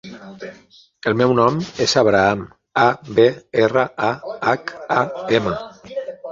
El meu nom és Abraham: a, be, erra, a, hac, a, ema.